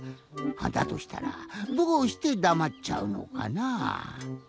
だとしたらどうしてだまっちゃうのかなぁ。